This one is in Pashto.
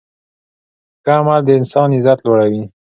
ښه عمل د انسان عزت لوړوي.